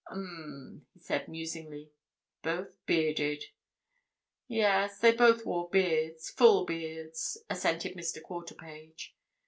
"Um!" he said, musingly. "Both bearded." "Yes, they both wore beards—full beards," assented Mr. Quarterpage.